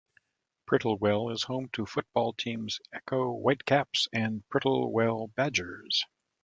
Prittlewell is home to football teams Ecko Whitecaps and Prittlewell Badgers.